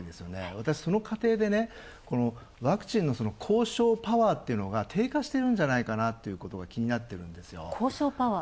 私、その過程でワクチンの交渉パワーっていうのが低下しているんじゃないかなということが気になってるんですよ。